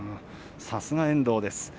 さすが遠藤です。